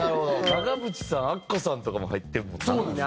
長渕さんアッコさんとかも入ってるもんな。